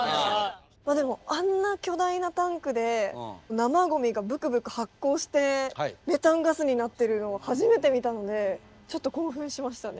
でもあんな巨大なタンクで生ゴミがブクブク発酵してメタンガスになってるのを初めて見たのでちょっと興奮しましたね。